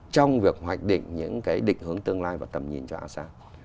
trong việc hoạch định những cái định hướng tương lai và tầm nhìn cho asean